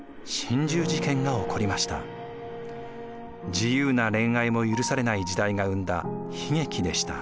自由な恋愛も許されない時代が生んだ悲劇でした。